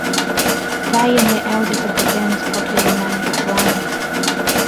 They and the elders of the gens probably remained at Rome.